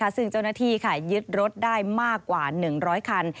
ซึ่งเจ้าหน้าที่ยึดรถได้มากกว่า๑๐๐คัน